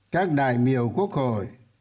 các đại miều quốc hội